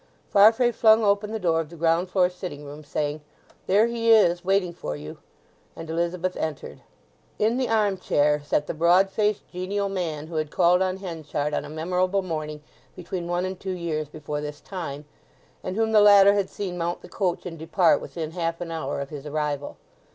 Farfrae flung open the door of the ground floor sitting room, saying, "There he is waiting for you," and Elizabeth entered. In the arm chair sat the broad faced genial man who had called on Henchard on a memorable morning between one and two years before this time, and whom the latter had seen mount the coach and depart within half an hour of his arrival.